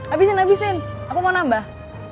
abisin abisin aku mau nambah